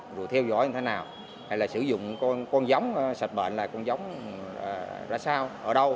rồi theo dõi như thế nào hay là sử dụng con giống sạch bệnh là con giống ra sao ở đâu